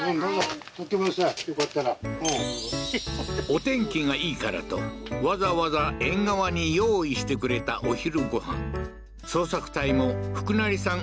お天気がいいからとわざわざ縁側に用意してくれたお昼ご飯捜索隊も福成さん